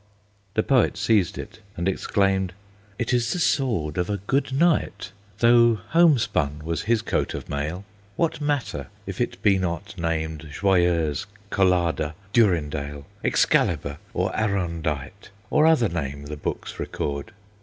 The Poet seized it, and exclaimed, "It is the sword of a good knight, Though homespun was his coat of mail; What matter if it be not named Joyeuse, Colada, Durindale, Excalibar, or Aroundight, Or other name the books record?